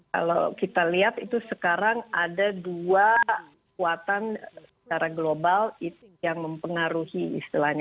kalau kita lihat itu sekarang ada dua kekuatan secara global yang mempengaruhi istilahnya